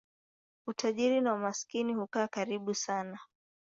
Utajiri na umaskini hukaa karibu sana.